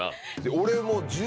俺も。